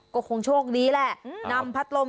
ก็คงโชคดีแหละนำพัดลม